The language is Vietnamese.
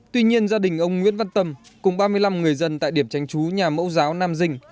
tuy nhiên gia đình ông nguyễn văn tâm cùng ba mươi năm người dân tại điểm tránh chú nhà mẫu giáo nam dinh